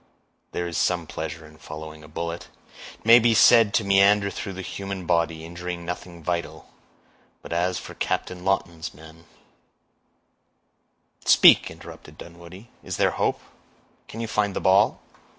there is some pleasure in following a bullet; it may be said to meander through the human body, injuring nothing vital; but as for Captain Lawton's men—" "Speak," interrupted Dunwoodie; "is there hope?—can you find the ball?"